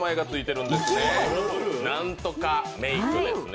何とかメイクですね。